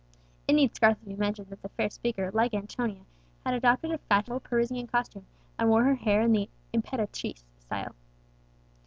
It need scarcely be mentioned that the fair speaker, like Antonia, had adopted a fashionable Parisian costume, and wore her hair in the Impératrice style.